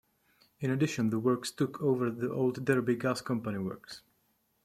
In addition the works took over the old Derby Gas Company works.